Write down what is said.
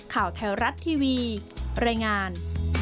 ข่าวไทยรัฐทีวีรายงาน